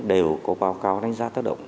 đều có báo cáo đánh giá táo động